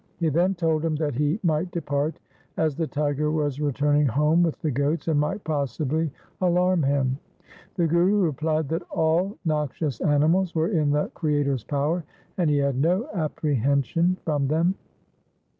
He then told him that he might depart, as the tiger was returning home with the goats and might possibly alarm him. The Guru replied, that all noxious animals were in the Creator's power, and he had no apprehension from them.